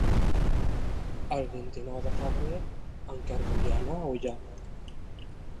El vint-i-nou de febrer en Quer voldria anar a Ullà.